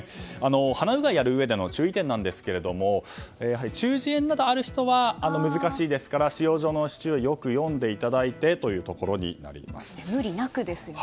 鼻うがいやるうえでの注意点ですが中耳炎などがある人は難しいですから使用上の注意をよく読んでいただいて無理なくですね。